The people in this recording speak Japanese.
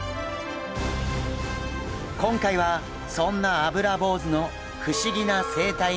今回はそんなアブラボウズの不思議な生態に迫ります！